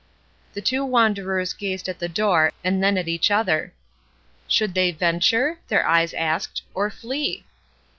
The two wanderers gazed at the door and then A "CROSS" TRAIL 171 at each other. Should they venture? their eyes asked, or flee?